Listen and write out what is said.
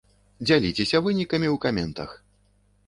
Дзяліцеся вынікамі ў каментах!